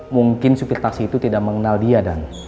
mungkin supir taksi itu tidak mengenal dia